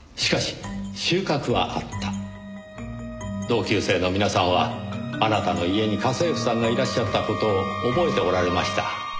同級生の皆さんはあなたの家に家政婦さんがいらっしゃった事を覚えておられました。